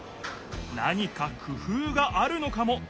何かくふうがあるのかも！